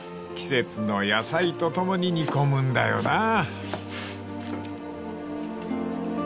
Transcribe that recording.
［季節の野菜とともに煮込むんだよなあ］